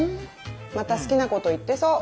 また好きなこと言ってそう。